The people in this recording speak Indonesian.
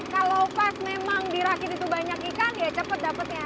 kalau pas memang dirakit itu banyak ikan ya cepet dapetnya